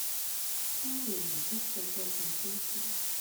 他緩緩的走到蛋糕前